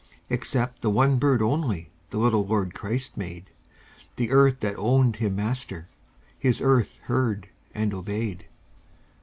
Except the one bird only The little Lord Christ made; The earth that owned Him Master, His earth heard and obeyed.